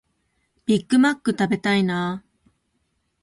ビッグマック食べたいなあ